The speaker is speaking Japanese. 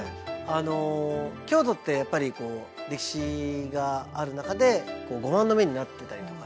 京都ってやっぱりこう歴史がある中で碁盤の目になってたりとかすると。